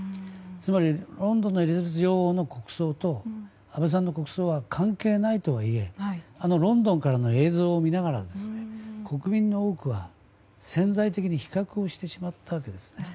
つまりロンドンのエリザベス女王の国葬と安倍さんの国葬は関係ないとはいえロンドンからの映像を見ながら国民の多くは潜在的に比較をしてしまったわけですね。